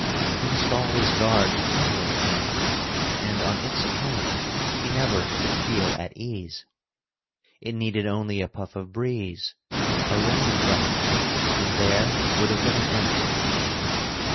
He must always guard the candle flame, and on its account he never could feel at ease. It needed only a puff of breeze—a rain drop—and there would have been an end to it.